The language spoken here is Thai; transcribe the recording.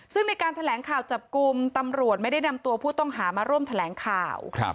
ซึ่งในการแถลงข่าวจับกลุ่มตำรวจไม่ได้นำตัวผู้ต้องหามาร่วมแถลงข่าว